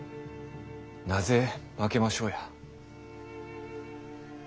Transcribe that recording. なぜ負けましょうや。